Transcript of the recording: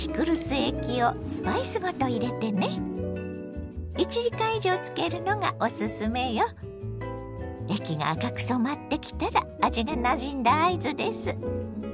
液が赤く染まってきたら味がなじんだ合図です。